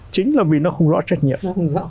chính là vì nó không rõ trách nhiệm